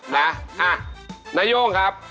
นะนาย่งครับ